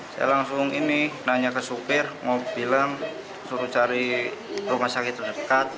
saya langsung ini nanya ke supir mau bilang suruh cari rumah sakit terdekat